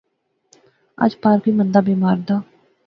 اج پار کوئی مندا بیمار دا